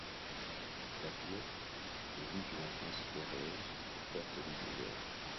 La fillette vit une enfance heureuse aux portes du désert.